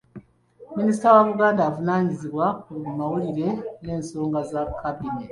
Minisita wa Buganda avunaanyizibwa ku mawulire n'ensonga za Kkabineeti,